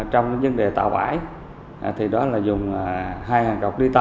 trong vấn đề thảo ải thì đó là dùng hai hàn cột lia tăm